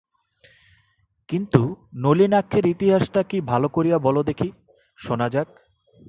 কিন্তু নলিনাক্ষের ইতিহাসটা কী ভালো করিয়া বলো দেখি, শোনা যাক।